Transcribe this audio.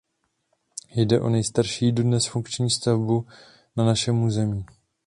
Jde o nejstarší dodnes funkční stavbu na našem území.